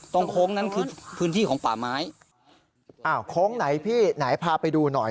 โค้งนั้นคือพื้นที่ของป่าไม้อ้าวโค้งไหนพี่ไหนพาไปดูหน่อย